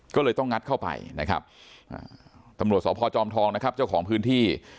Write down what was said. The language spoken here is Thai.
ก็เลยต้องงัดเข้าไปนะครับตำรวจสพจอมทองนะครับเจ้าของพื้นที่